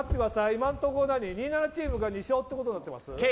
今のところ「２７」チームが２勝ということになってます？